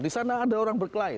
di sana ada orang berkelahi